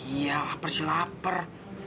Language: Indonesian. iya lapar sih lapar